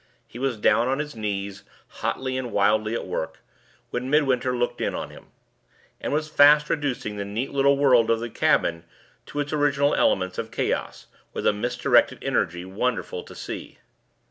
He was down on his knees, hotly and wildly at work, when Midwinter looked in on him; and was fast reducing the neat little world of the cabin to its original elements of chaos, with a misdirected energy wonderful to see.